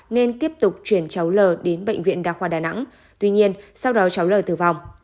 nên tiếp tục chuyển cháu lỡ đến bệnh viện đa khoa đà nẵng tuy nhiên sau đó cháu lỡ tử vong